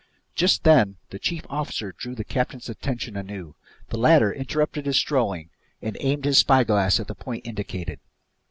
Just then the chief officer drew the captain's attention anew. The latter interrupted his strolling and aimed his spyglass at the point indicated.